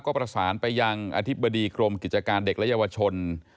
ก็ประสานไปยังอธิบดีกรมกิจการเด็กและเยาวชน